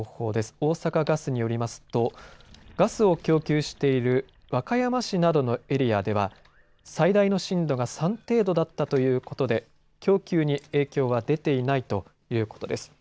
大阪ガスによりますとガスを供給している和歌山市などのエリアでは最大の震度が３程度だったということで供給に影響は出ていないということです。